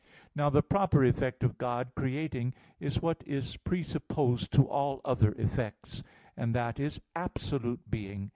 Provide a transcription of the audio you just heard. Now the proper effect of God creating is what is presupposed to all other effects, and that is absolute being.